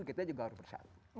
kita juga harus bersatu